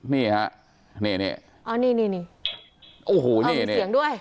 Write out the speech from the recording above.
นี่ฮะนี่นี่อ๋อนี่นี่นี่โอ้โหนี่นี่อ๋อมีเสียงด้วย